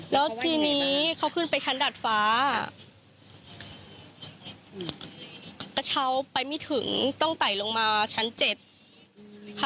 แล้วทีนี้เขาขึ้นไปชั้นดัดฟ้ากระเช้าไปไม่ถึงต้องไต่ลงมาชั้นเจ็ดค่ะ